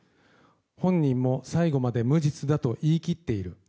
本人も最後まで無実だと言い切っている。